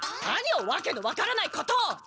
何をわけのわからないことを！